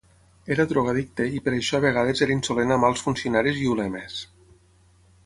Era drogoaddicte i per això a vegades era insolent amb alts funcionaris i ulemes.